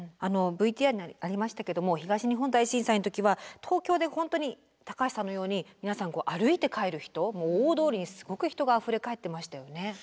あのＶＴＲにありましたけれども東日本大震災の時は東京で本当に高橋さんのように皆さん歩いて帰る人大通りにすごく人があふれかえってましたよね。